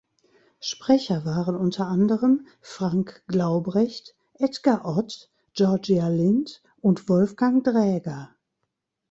Sprecher waren unter anderem Frank Glaubrecht, Edgar Ott, Georgia Lind und Wolfgang Draeger.